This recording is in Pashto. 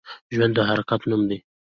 ژوند د حرکت نوم دی